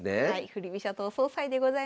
振り飛車党総裁でございます。